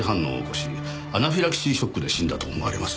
アナフィラキシーショックで死んだと思われます。